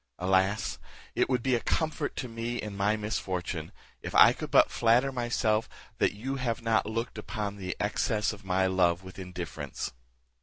Alas! it would be a comfort to me in my misfortune, if I could but flatter myself, that you have not looked upon the excess of my love with indifference."